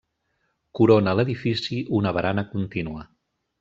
Corona l'edifici una barana continua.